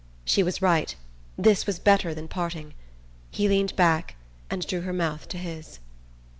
She was right: this was better than parting. He leaned back and drew her mouth to his...